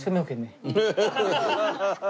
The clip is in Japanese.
ハハハハ！